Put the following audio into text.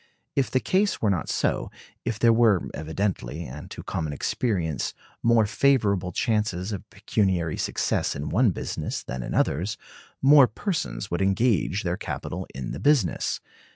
If the case were not so; if there were, evidently, and to common experience, more favorable chances of pecuniary success in one business than in others, more persons would engage their capital in the business.